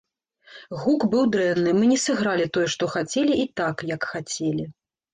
Гук быў дрэнны, мы не сыгралі тое, што хацелі, і так, як хацелі.